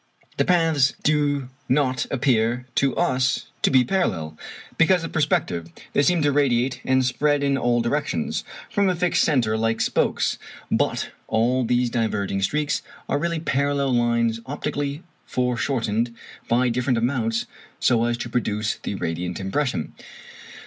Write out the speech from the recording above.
The paths do not appear to us to be parallel, because of perspective: they seem to radiate and spread in all directions from a fixed centre like spokes, but all these diverging streaks are really parallel lines optically foreshortened by different amounts so as to produce the radiant impression.